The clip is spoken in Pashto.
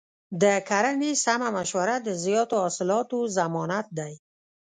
د کرنې سمه مشوره د زیاتو حاصلاتو ضمانت دی.